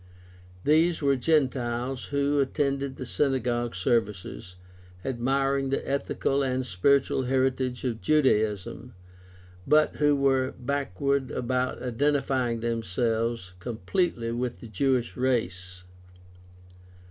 These were Gentiles who attended the synagogue services, admiring the ethical and spiritual heritage of Judaism, but who were backward about identifying themselves completely with the Jewish race.